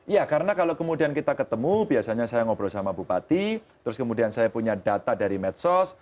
ya karena kalau kemudian kita ketemu biasanya saya ngobrol sama bupati terus kemudian saya punya data dari medsos